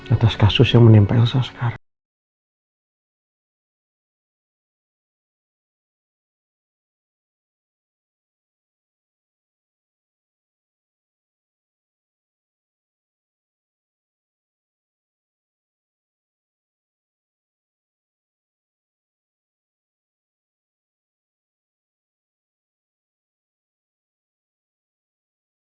atas kasus yang menimpel elsa sekarang